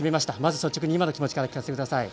率直に今の気持ちを教えてください。